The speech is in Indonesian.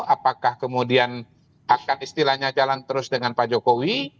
apakah kemudian akan istilahnya jalan terus dengan pak jokowi